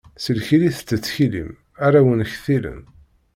S lkil i tettektilim, ara wen-ktilen.